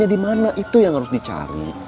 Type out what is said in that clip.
di mana itu yang harus dicari